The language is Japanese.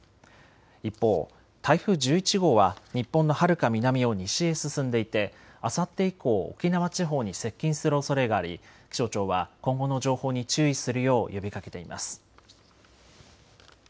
一方、台風１１号は日本のはるか南を西へ進んでいてあさって以降、沖縄地方に接近するおそれがあり気象庁は今後の情報に注意するよう呼びかけています。